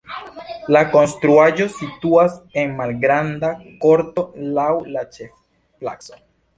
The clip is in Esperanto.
La konstruaĵo situas en malgranda korto laŭ la ĉefplaco.